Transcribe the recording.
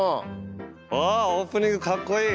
あオープニングかっこいい。